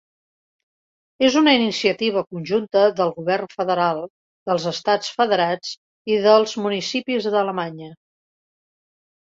És una iniciativa conjunta del govern federal, dels estats federats i dels municipis d'Alemanya.